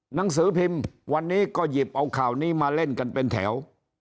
หนังสือพิมพ์วันนี้ก็หยิบเอาข่าวนี้มาเล่นกันเป็นแถว